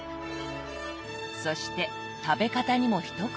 そして食べ方にも一工夫。